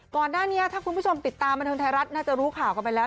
ก่อนหน้านี้ถ้าคุณผู้ชมติดตามบันเทิงไทยรัฐน่าจะรู้ข่าวกันไปแล้ว